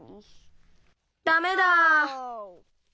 ダメだ。